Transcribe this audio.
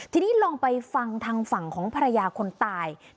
ทีนี้ลองไปฟังทางฝั่งของภรรยาคนตาย